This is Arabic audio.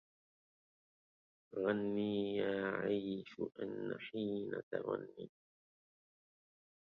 غني يا عيش إن حين تغني